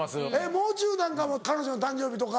もう中なんかも彼女の誕生日とか。